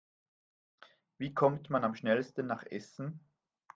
Wie kommt man am schnellsten nach Essen?